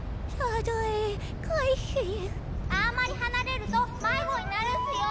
あんまり離れると迷子になるっすよ！